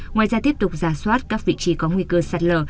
ngoài ra tiếp tục giả soát các vị trí có nguy cơ sạt lở